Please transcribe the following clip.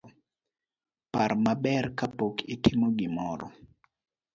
Par maber kapok itimo gimoro